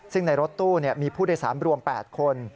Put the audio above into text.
ซึ่งในรถตู้มีผู้โดยสารรวม๘คน